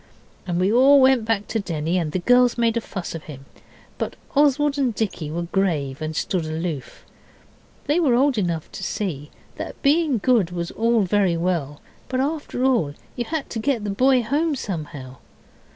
And we all went back to Denny, and the girls made a fuss with him. But Oswald and Dicky were grave and stood aloof. They were old enough to see that being good was all very well, but after all you had to get the boy home somehow.